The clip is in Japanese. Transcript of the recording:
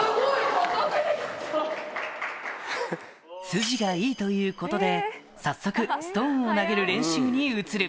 筋がいいということで早速ストーンを投げる練習に移る１。